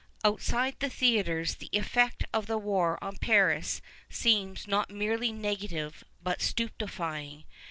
(Outside the theatre the effect of the war on Paris seems not merely negative but stupefying.